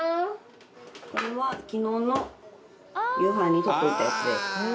これは、昨日の夕飯に取っておいたやつです。